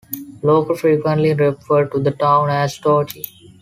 Locals frequently refer to the town as "Toti".